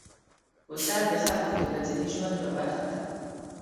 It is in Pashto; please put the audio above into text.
بوتل د خلکو د ورځني ژوند یوه برخه ده.